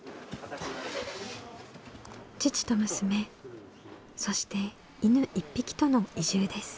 父と娘そして犬１匹との移住です。